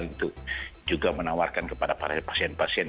untuk juga menawarkan kepada para pasien pasien